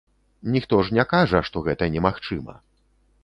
Ніхто ж не кажа, што гэта немагчыма.